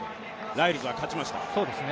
ライルズが勝ちました。